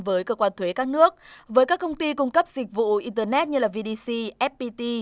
với cơ quan thuế các nước với các công ty cung cấp dịch vụ internet như vdc fpt